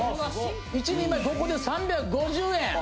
１人前５個で３５０円！